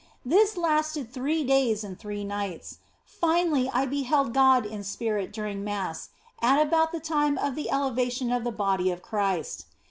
This lasted three days and three nights. Finally I be held God in spirit during Mass, at about the time of the elevation of the Bodv of Christ.